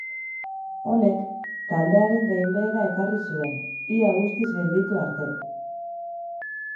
Honek taldearen gainbehera ekarri zuen, ia guztiz gelditu arte.